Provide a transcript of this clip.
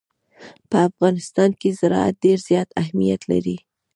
په افغانستان کې زراعت ډېر زیات اهمیت لري.